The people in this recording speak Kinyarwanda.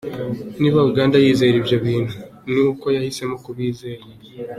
Niba Uganda yizera ibyo bintu, ni uko yahisemo kubizera.